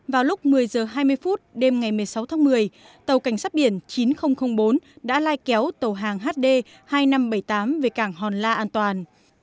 vào lúc một mươi h hai mươi phút đêm ngày một mươi sáu tháng một mươi tàu cảnh sát biển chín nghìn bốn đã lai kéo tàu hàng hd hai nghìn năm trăm bảy mươi tám về cảng hòn la an toàn